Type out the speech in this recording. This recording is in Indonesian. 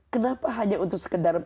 kenapa hanya untuk sekedar